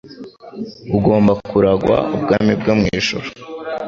ugomba kuragwa ubwami bwo mw’ijuru